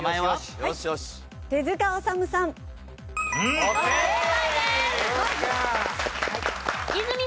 はい。